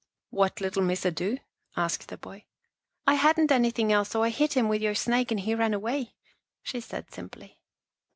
" What little Missa do? " asked the boy. " I hadn't anything else, so I hit him with your snake and he ran away," she said simply.